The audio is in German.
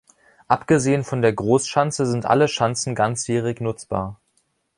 Abgesehen von der Großschanze sind alle Schanzen ganzjährig nutzbar.